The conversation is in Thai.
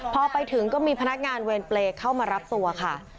พอไปถึงก็มีพนักงานเวรเปรย์เข้ามารับตัวค่ะ